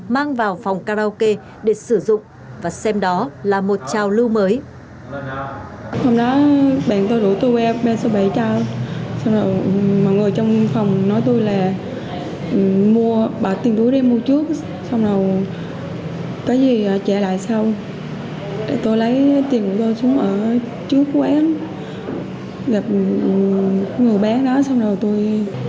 mang vào phòng karaoke để sử dụng và xem đó là một chào lưu mới